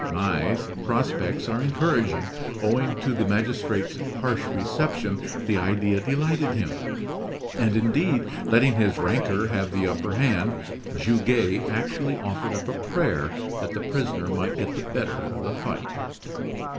"May's prospects are encouraging." Owing to the magistrate's harsh reception the idea delighted him; and, indeed, letting his rancor have the upper hand, Goguet actually offered up a prayer that the prisoner might get the better of the fight.